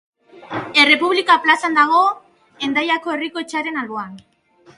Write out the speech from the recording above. Errepublika plazan dago, Hendaiako herriko etxearen alboan.